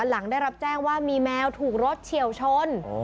หลังได้รับแจ้งว่ามีแมวถูกรถเฉียวชน